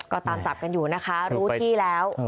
ก็ตามจับกันอยู่นะคะรู้ที่แล้ว